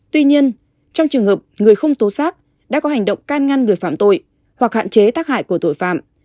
tuy nhiên trong trường hợp người không tố xác đã có hành động can ngăn người phạm tội hoặc hạn chế tác hại của tội phạm